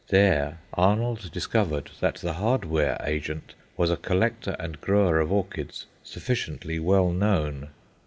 There Arnold discovered that the hardware agent was a collector and grower of orchids sufficiently well known.